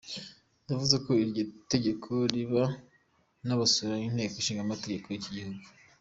Yavuze ko iryo tegeko rireba n'abasura inteko ishingamategeko y'iki gihugu.